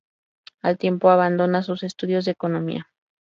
Al tiempo, abandona sus estudios de economía.